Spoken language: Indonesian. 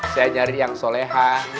saya nyari yang solehah